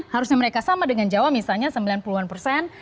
harusnya mereka sama dengan jawa misalnya sembilan puluh an persen